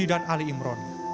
ali dan ali imron